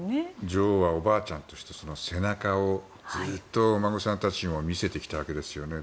女王はおばあちゃんとしてその背中をずっとお孫さんたちにも見せてきたわけですよね。